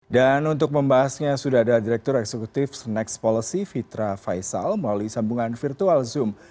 dan untuk membahasnya sudah ada direktur eksekutif next policy fitra faisal melalui sambungan virtual zoom